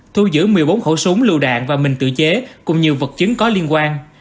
thu giữ một mươi bốn khẩu súng lưu đạn và mình tự chế cùng nhiều vật chứng có liên quan